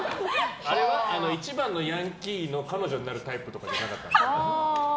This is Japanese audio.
一番のヤンキーの彼女になるタイプとかじゃなかった？